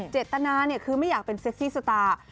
เจตนาคือไม่อยากเป็นเซ็กซี่สตาร์